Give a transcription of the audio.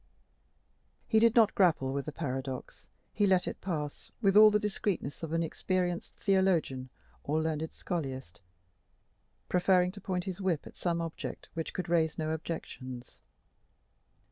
He did not grapple with the paradox; he let it pass, with all the discreetness of an experienced theologian or learned scholiast, preferring to point his whip at some object which could raise no questions.